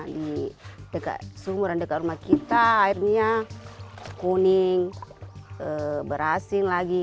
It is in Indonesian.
di dekat sumuran dekat rumah kita airnya kuning berasing lagi